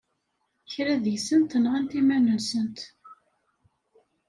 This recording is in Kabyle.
Kra deg-sent nɣant iman-nsent.